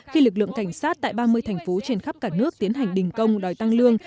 khi lực lượng cảnh sát tại ba mươi thành phố trên khắp cả nước tiến hành đình công đòi tăng lương